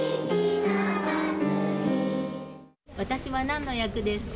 私は何の役ですか。